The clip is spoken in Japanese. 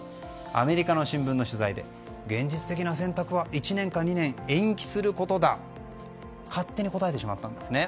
アメリカの新聞の取材で現実的な選択は１年か２年延期することだと勝手に答えてしまったんです。